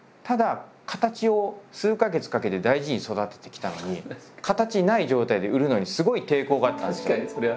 ただ形を数か月かけて大事に育ててきたのに形ない状態で売るのにすごい抵抗があったんです。